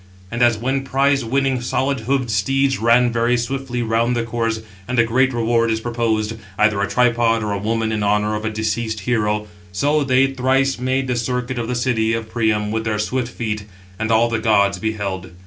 And as when prize winning 705 solid hoofed steeds ran very swiftly round the course, and a great reward is proposed, either a tripod, or a woman [in honour] of a deceased hero; so they thrice made the circuit of the city of Priam with their swift feet: and all the gods beheld.